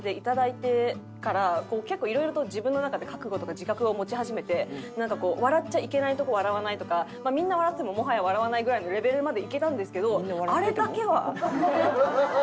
結構いろいろと自分の中で覚悟とか自覚を持ち始めてなんかこう笑っちゃいけないとこ笑わないとかみんな笑っててももはや笑わないぐらいのレベルまでいけたんですけどあれだけは。